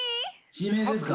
指名ですか？